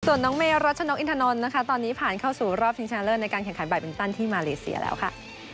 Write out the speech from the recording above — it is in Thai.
ส่วนน้องเมรัชนกอินทนนท์นะคะตอนนี้ผ่านเข้าสู่รอบชิงชนะเลิศในการแข่งขันแบตบินตันที่มาเลเซียแล้วค่ะ